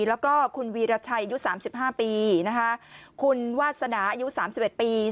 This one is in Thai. แล้วก็คุณวีรชัยอายุ๓๕ปีนะคะคุณวาสนาอายุ๓๑ปี